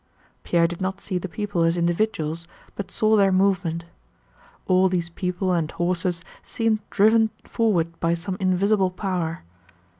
Pierre did not see the people as individuals but saw their movement. All these people and horses seemed driven forward by some invisible power.